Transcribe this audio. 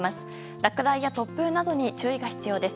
落雷や突風などに注意が必要です。